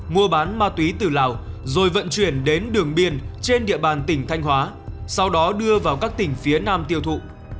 mua bán ma túy từ lào rồi vận chuyển đến đường biên trên địa bàn tỉnh thanh hóa sau đó đưa vào các tỉnh phía nam tiêu thụ